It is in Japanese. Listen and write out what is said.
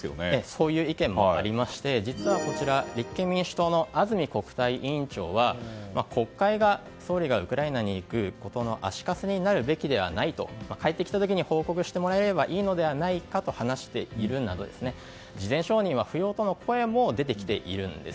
そういう意見もありまして実は立憲民主党の安住国対委員長は国会が、総理がウクライナに行くことのあしかせになるべきではないと帰ってきた時に報告してもらえばいいのではないかと話しているなど事前承認は不要との声も出てきているんです。